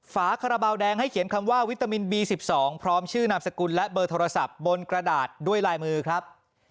ฝาคาราบาลแดงให้เขียนคำว่าวิตามินบี๑๒พร้อมชื่อนามสกุลและเบอร์โทรศัพท์บนกระดาษด้วยลายมือครับ